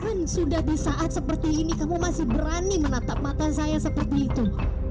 kan sudah di saat seperti ini kamu masih berani menatap mata saya seperti itu